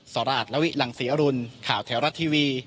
ราชลวิหลังศรีอรุณข่าวแถวรัฐทีวี